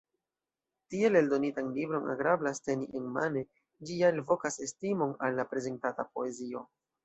Tiel eldonitan libron agrablas teni enmane, ĝi ja elvokas estimon al la prezentata poezio.